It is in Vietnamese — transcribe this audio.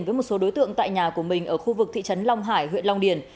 với một số đối tượng tại nhà của mình ở khu vực thị trấn long hải huyện long điền